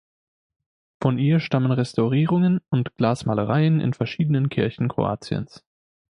Von ihr stammen Restaurierungen und Glasmalereien in verschiedenen Kirchen Kroatiens.